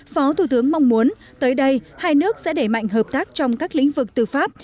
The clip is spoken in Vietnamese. phó thủ tướng mong muốn tới đây hai nước sẽ đẩy mạnh hợp tác trong các lĩnh vực tư pháp